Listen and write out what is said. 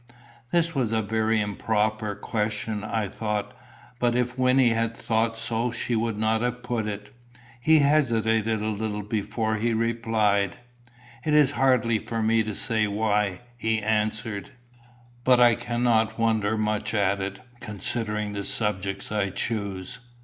This was a very improper question, I thought; but if Wynnie had thought so she would not have put it. He hesitated a little before he replied "It is hardly for me to say why," he answered; "but I cannot wonder much at it, considering the subjects I choose.